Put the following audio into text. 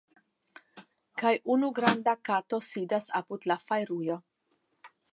Kaj unu granda kato sidas apud la fajrujo.